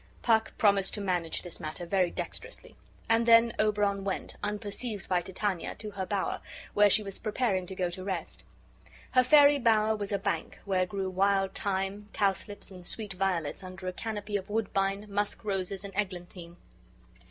Puck promised to manage this matter very dexterously: and then Oberon went, unperceived by Titania, to her bower, where she was preparing to go to rest. Her fairy bower was a bank, where grew wild thyme, cowslips, and sweet violets, under a canopy of woodbine, musk roses, and eglantine.